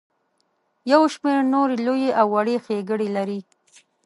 یو شمیر نورې لویې او وړې ښیګړې لري.